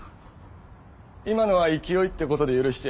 今のは「勢い」ってことで許してやる。